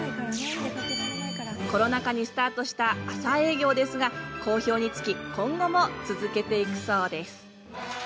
コロナ禍にスタートした朝営業ですが、好評につき今後も続けていくそうです。